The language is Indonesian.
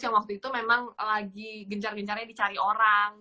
yang waktu itu memang lagi gencar gencarnya dicari orang